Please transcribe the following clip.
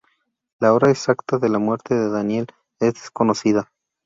La hora exacta de la muerte de Daniel es desconocida.